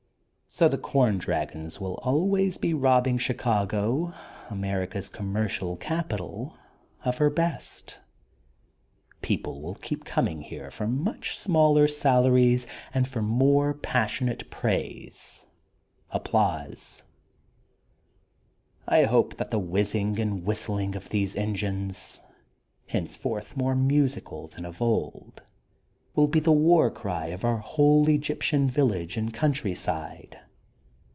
So the com aragons will always be robbing Chicago, America's commercial capital, of her best. People will keep coming here for much smaller salaries and for more passion ate praise. [Applause I] I hope that the whizzing and whistling of these engines, henceforth more musical than of old, will be the war cry of our whole Egyptian village and countryside.